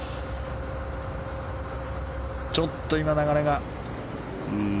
ちょっと今、流れが。